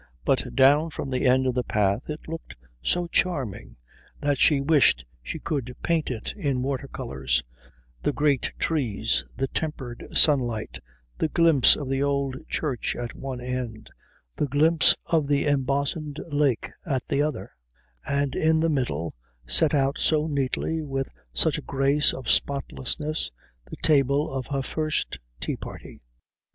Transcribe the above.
But down from the end of the path it looked so charming that she wished she could paint it in watercolours the great trees, the tempered sunlight, the glimpse of the old church at one end, the glimpse of the embosomed lake at the other, and in the middle, set out so neatly, with such a grace of spotlessness, the table of her first tea party.